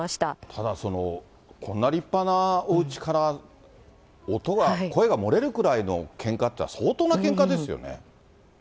ただ、こんな立派なおうちから、音が、声が漏れるくらいのけんかっていったら相当なけんかですよね。